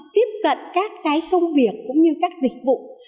tiếp cận các công việc cũng như các dịch vụ